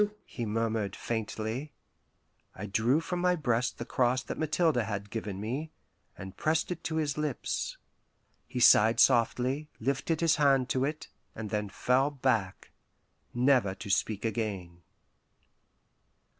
"Jesu " he murmured faintly. I drew from my breast the cross that Mathilde had given me, and pressed it to his lips. He sighed softly, lifted his hand to it, and then fell back, never to speak again.